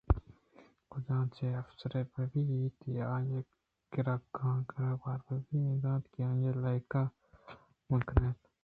کجا چہ افسرے بئیت ءُآئی ءِگِراکاں گُرّءُبیہار بہ دنت کہ آئی ءَ یلہ مہ کن اِت